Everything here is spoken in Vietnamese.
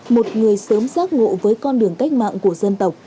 một người sớm giác ngộ với con đường cách mạng của dân tộc